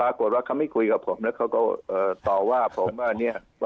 ปรากฏว่าเขาไม่คุยกับผมแล้วเขาก็ต่อว่าผมว่าเนี่ย